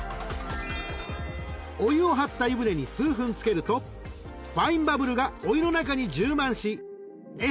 ［お湯を張った湯船に数分つけるとファインバブルがお湯の中に充満し］